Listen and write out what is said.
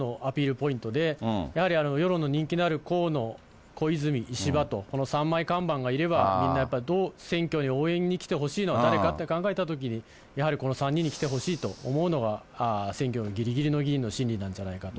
ポイントで、やはり、世論の人気のある河野、小泉、石破と、この３枚看板がいれば、みんなやっぱり選挙に応援に来てほしいのは誰かって考えたときに、やはりこの３人に来てほしいと思うのが、選挙のぎりぎりの議員の心理なんじゃないかと。